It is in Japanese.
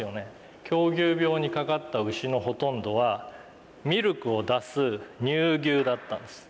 狂牛病にかかった牛のほとんどはミルクを出す乳牛だったんです。